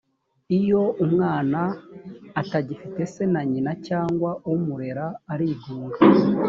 iyo umwana atagifite se na nyina cyangwa umurera arigunga